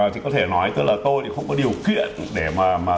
thì có thể nói tức là tôi thì không có điều kiện để mà